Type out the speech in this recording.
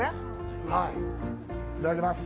いただきます。